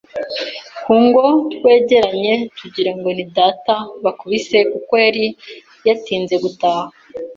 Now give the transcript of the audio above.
ku ngo twegeranye tugirango ni data bakubise kuko yari yatinze gutaha!